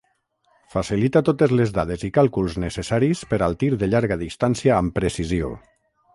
Facilita totes les dades i càlculs necessaris per al tir de llarga distància amb precisió.